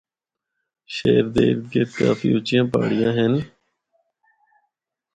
شہر دے ارد گرد کافی اُچیاں پہاڑیاں ہن۔